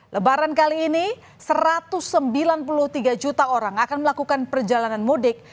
lebaran kali ini satu ratus sembilan puluh tiga juta orang akan melakukan perjalanan mudik